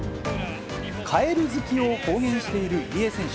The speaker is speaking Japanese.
カエル好きを公言している入江選手。